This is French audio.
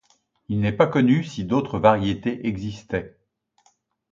Il n'est pas connu si d'autres variétés existaient.